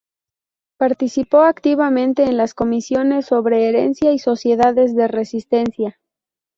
Participó activamente en las comisiones sobre herencia y sociedades de resistencia.